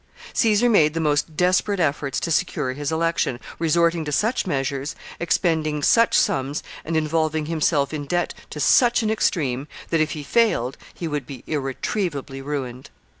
Caesar made the most desperate efforts to secure his election, resorting to such measures, expending such sums, and involving himself in debt to such an extreme, that, if he failed, he would be irretrievably ruined.